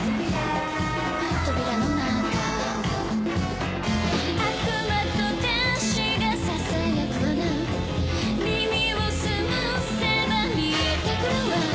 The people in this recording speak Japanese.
「扉の中」「悪魔と天使が囁く罠」「耳をすませば見えてくるわ」